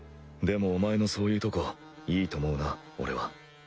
でもお前のそういうとこいいと思うな俺は。